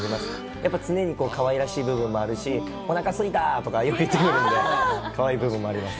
やっぱ常にかわいらしい部分もあるし、おなかすいたとか、よく言ってるんで、かわいい部分もあります。